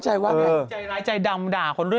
ใจร้ายใจดำด่าคนด้วยเปรื่อย